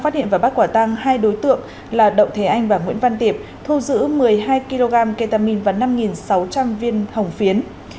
phát hiện và bắt quả tăng hai đối tượng là đậu thế anh và nguyễn văn tiệp thu giữ một mươi hai kg ketamine và năm sáu trăm linh viên hồng phiến